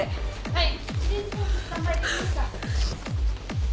はい。